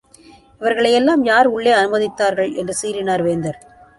இவர்களையெல்லாம் யார் உள்ளே அனுமதித்தார்கள்? என்று சீறினார் வேந்தர்.